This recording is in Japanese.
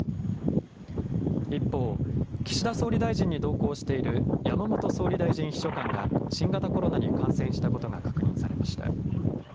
一方、岸田総理大臣に同行している山本総理大臣秘書官が新型コロナに感染したことが確認されました。